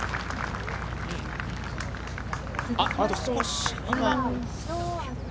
あと少し、今。